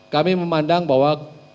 kami memandang bahwa